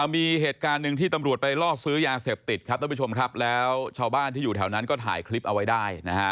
มีเหตุการณ์หนึ่งที่ตำรวจไปล่อซื้อยาเสพติดแล้วชาวบ้านที่อยู่แถวนั้นก็ถ่ายคลิปเอาไว้ได้